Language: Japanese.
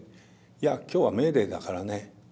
「いや今日はメーデーだからね。